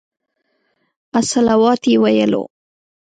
الصلواة یې ویلو.